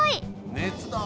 熱だ！